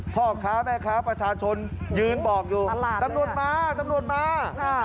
พ่อค้าแม่ค้าประชาชนยืนบอกอยู่ตำรวจมาตำรวจมา